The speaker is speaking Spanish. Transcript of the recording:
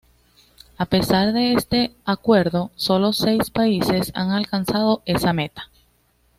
A pesar de este acuerdo, solo seis países han alcanzado esa meta.